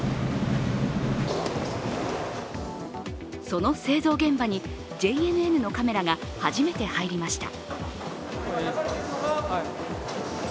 その製造現場にＪＮＮのカメラが初めて入りました。